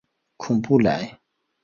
孔布雷。